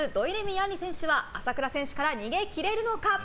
杏利選手は朝倉選手から逃げ切れるのか。